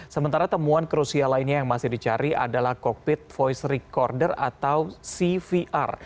sementara temuan krusial lainnya yang masih dicari adalah cockpit voice recorder atau cvr